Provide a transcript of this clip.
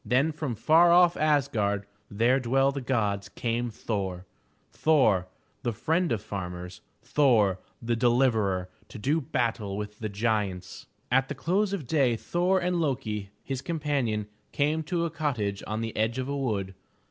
Then from far off Asgard where dwell the gods, came Thor, Thor, the friend of farmers, Thor, the Deliverer, to do battle with the giants. At the close of day Thor and Lo'ki, his companion, came to a cottage on the edge of a wood.